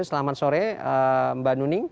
selamat sore mbak nuning